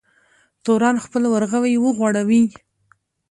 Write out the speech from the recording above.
تورن خپل ورغوی وغوړوی.